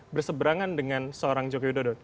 berseberangan dengan seorang jokowi dodo